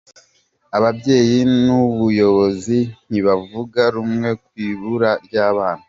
Ababyeyi n’ubuyobozi ntibavuga rumwe ku ibura ry’abana